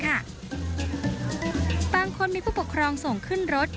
บางคนมีผู้ปกครองส่งขึ้นรถ